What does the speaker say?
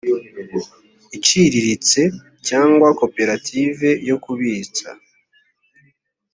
iciriritse cyangwa koperative yo kubitsa